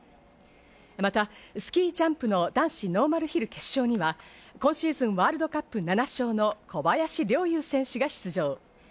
またスキージャンプの男子ノーマルヒル決勝には、今シーズンＷ杯７勝の小林陵侑選手が出場。